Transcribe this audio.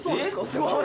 すごい。